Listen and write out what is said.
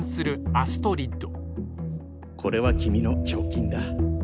アストリッド！